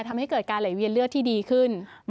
ทำให้เกิดการไหลเวียนเลือดที่ดีขึ้น